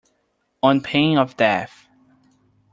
On pain of death.